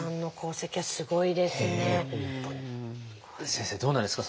先生どうなんですか？